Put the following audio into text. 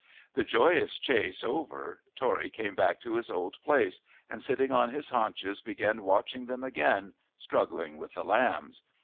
The joyous chase over Tory came back to his old place, and sitting on his haunches began watching them again struggling with the lambs.